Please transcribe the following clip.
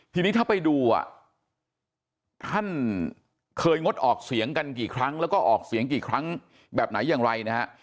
ทีนี้ถ้าไปดูอ่ะท่านเคยงดออกเสียงกันกี่ครั้งแล้วก็ออกเสียงกี่ครั้งแบบไหนอย่างไรนะฮะ